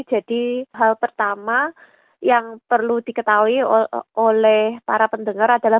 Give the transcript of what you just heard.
hal pertama yang perlu diketahui oleh para pendengar adalah